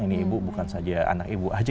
ini ibu bukan saja anak ibu aja